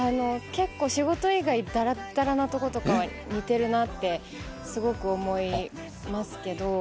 結構、仕事以外、だらっだらなところとかは似てるなって、すごく思いますけど。